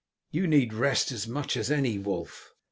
"You need rest as much as any, Wulf."